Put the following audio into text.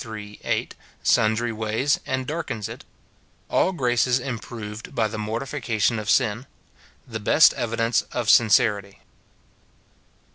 3, 8, sundry ways, and darkens it — All graces improved by the mor tification of sin — The best evidence of sincerity.